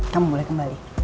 kamu boleh kembali